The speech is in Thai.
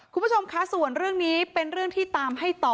คุณผู้ชมคะส่วนเรื่องนี้เป็นเรื่องที่ตามให้ต่อ